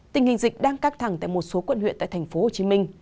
tình hình dịch đang cắt thẳng tại một số quận huyện tại tp hcm